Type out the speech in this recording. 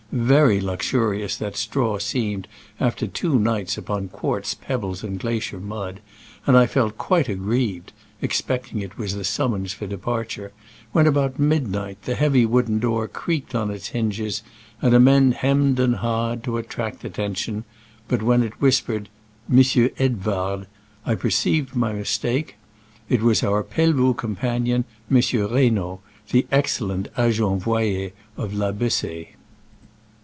Very luxurious that straw seemed after two nights upon quartz pebbles and glacier mud, and I felt quite aggrieved (expecting it was the summons for de parture) when, about midnight, the heavy wooden door creaked on its hinges, and a man hem'd and ha*d to attract atten tion ; but when it whispered, " Monsieur Edvard," I perceived my mistake: it was our Pelvoux companion, Monsieur Reynaud, the excellent agent voyer of La Bess6e.